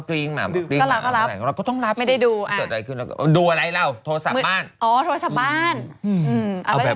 กูไม่เคยมั้ยพี่กลัวอ่ะแต่